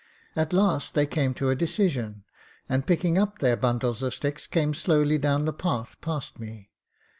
At last they came to a decision, and picking up their bundles of sticks came slowly down the path past me.